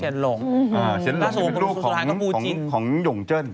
เฉียนหลงเป็นลูกของหย่งเจิ้น